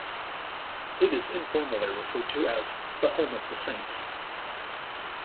It is informally referred to as the "Home of the Saints".